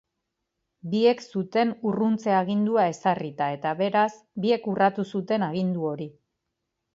Biek zuten urruntze-agindua ezarrita eta, beraz, biek urratu zuten agindu hori.